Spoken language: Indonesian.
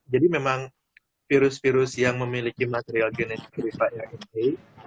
jadi memang virus virus yang memiliki material genetik beriflaya rna